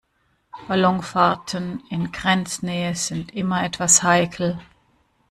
Ballonfahrten in Grenznähe sind immer etwas heikel.